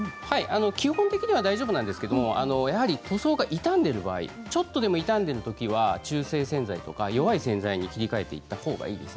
基本的には大丈夫ですが塗装が傷んでいる場合ちょっとでも痛んでいるときは中性洗剤とか弱い洗剤に切り替えていったほうがいいです。